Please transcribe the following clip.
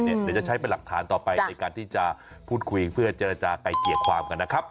เดี๋ยวจะใช้เป็นหลักฐานต่อไปในการที่จะพูดคุยเพื่อเจรจากลายเกลี่ยความกันนะครับ